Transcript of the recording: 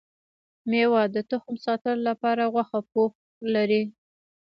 ميوه د تخم ساتلو لپاره غوښه پوښ لري